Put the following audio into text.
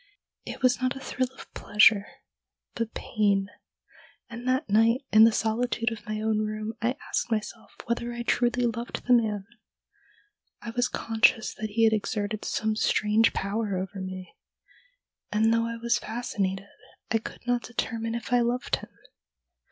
It was not a thrill of pleasure but pain, and that night, in the solitude of my own room, I asked myself THE DREAM THAT CAME TRUE 225 •whether I really loved the man. I was conscious that he had exerted some strange power over me, and, though I was fascinated, I could not determine if I loved him.'